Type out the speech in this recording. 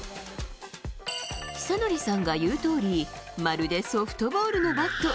尚成さんが言うとおり、まるでソフトボールのバット。